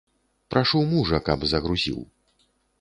Прашу мужа, каб загрузіў.